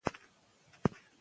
دوی په خپلو درسونو کې تکړه دي.